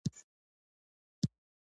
مرغان کله ناکله پلاستيک خوري.